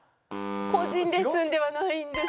個人レッスンではないんです。